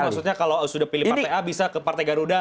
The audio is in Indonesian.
jadi maksudnya kalau sudah pilih partai a bisa ke partai garuda